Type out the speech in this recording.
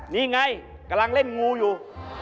นี่ไงกำลังเล่นงูอยู่